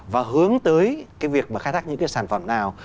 và hướng tới cái việc mà khai thác những cái sản phẩm nào